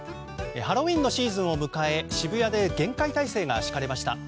ハロウィーンのシーズンを迎え渋谷で厳戒態勢が敷かれました。